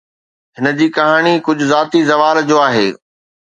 هن جي ڪهاڻي ڪجهه ذاتي زوال جو آهي